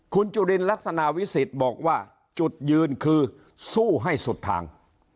คุณจุลินลักษณะวิสิทธิ์บอกว่าจุดยืนคือสู้ให้สุดทาง